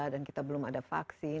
dan kita belum ada vaksin